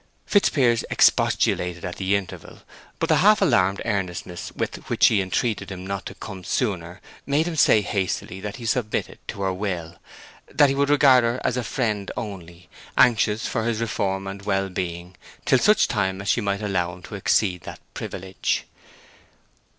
Fitzpiers expostulated at the interval, but the half alarmed earnestness with which she entreated him not to come sooner made him say hastily that he submitted to her will—that he would regard her as a friend only, anxious for his reform and well being, till such time as she might allow him to exceed that privilege.